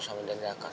sama dhani dan haikal